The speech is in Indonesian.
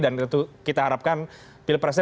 dan kita harapkan pilpresnya